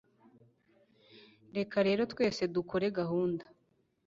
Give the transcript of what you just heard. reka rero twese dukore gahunda